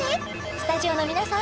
スタジオの皆さん